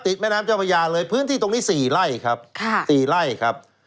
ติดแม่น้ำเจ้าพญาเลยพื้นที่ตรงนี้๔ไล่ครับ